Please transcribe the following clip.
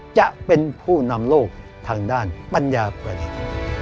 จะเป็นผู้นำโลกทางด้านปัญญาประดิษฐ์